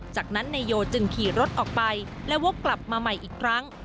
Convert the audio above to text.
จากนั้นนายโยจึงขี่รถออกไปและวกกลับมาใหม่อีกครั้ง